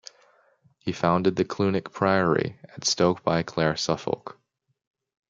He founded the Clunic priory at Stoke-by-Clare, Suffolk.